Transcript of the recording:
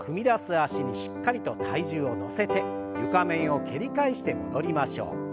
脚にしっかりと体重を乗せて床面を蹴り返して戻りましょう。